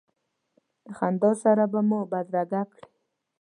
د خندا سره به مو بدرګه کړې.